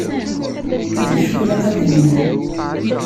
Dacu i ilaq ad d-nini?